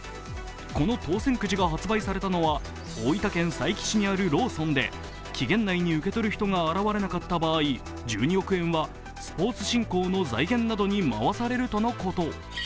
この当選くじが発売されたのは、大分県佐伯市にあるローソンで期限内に受け取る人が現れなかった場合、１２億円はスポーツ振興の財源などに回されるとのこと。